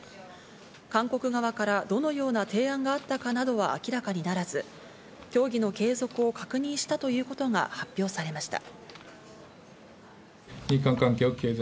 韓国側からどのような提案があったかなどは明らかにならず、協議の継続を確認したということが発表されました。